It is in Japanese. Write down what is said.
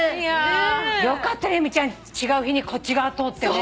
よかったね由美ちゃん違う日にこっち側通ってね。